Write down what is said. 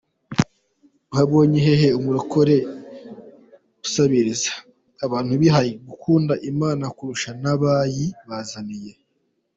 Wabonye hehe umurokore usabiriza? Abantu bihaye gukunda Imana kurusha n'abayibazaniye.